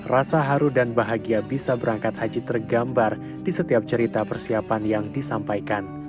rasa haru dan bahagia bisa berangkat haji tergambar di setiap cerita persiapan yang disampaikan